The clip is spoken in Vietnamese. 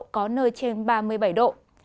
có nơi trên ba mươi bảy độ